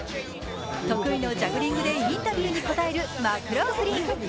得意のジャグリングでインタビューに答えるマクローフリン。